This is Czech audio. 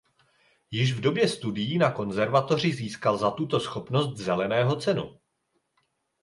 Již v době studií na konzervatoři získal za tuto schopnost "Zeleného cenu".